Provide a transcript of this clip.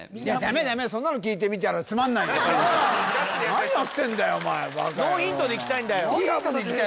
何やってんだよお前バカヤロウノーヒントでいきたいんだよ